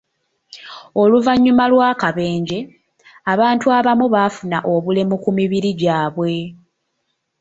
Oluvannyuma lw'akabenje, abantu abamu baafuna obulemu ku mibiri gyabwe.